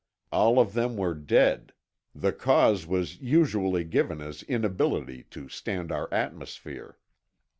All of them were dead; the cause was usually given as inability to stand our atmosphere.